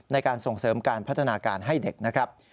ในการส่งเสริมการพัฒนาการให้เด็กนะครับ